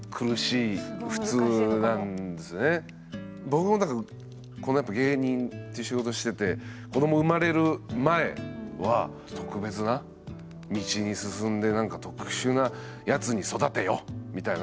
僕もだからこのやっぱ芸人っていう仕事してて子ども生まれる前は特別な道に進んで何か特殊なやつに育てよみたいなどっかで思ってたんですけど